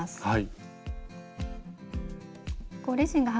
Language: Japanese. はい。